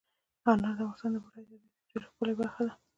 انار د افغانستان د بډایه طبیعت یوه ډېره ښکلې برخه ده.